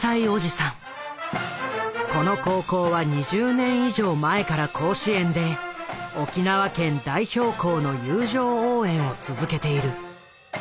この高校は２０年以上前から甲子園で沖縄県代表校の友情応援を続けている。